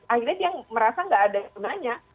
akhirnya dia merasa nggak ada gunanya